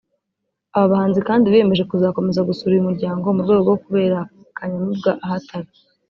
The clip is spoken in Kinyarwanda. Aba bahanzi kandi biyemeje kuzakomeza gusura uyu muryango mu rwego rwo kubera Kanyamibwa aho atari